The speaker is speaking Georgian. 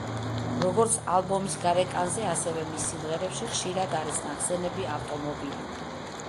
როგორც ალბომის გარეკანზე, ასევე მის სიმღერებში ხშირად არის ნახსენები ავტომობილი.